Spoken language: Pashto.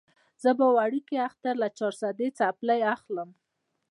زه به وړوکي اختر له چارسدوالې څپلۍ اخلم